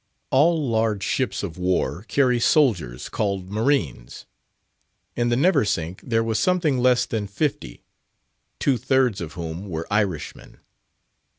All large ships of war carry soldiers, called marines. In the Neversink there was something less than fifty, two thirds of whom were Irishmen.